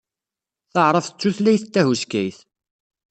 Taɛṛabt d tutlayt tahuskayt.